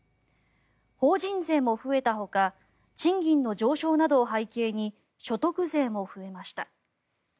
法人税も増えたほか賃金の上昇などを背景に所得税も増えました。